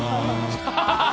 ハハハハ！